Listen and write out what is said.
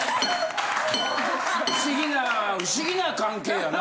不思議な不思議な関係やな。